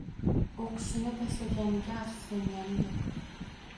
O`qishini tashlaganiga afsuslangani yo`q